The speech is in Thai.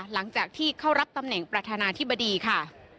หลังจากที่เข้ารับตำแหน่งประธานาธิบดีค่ะ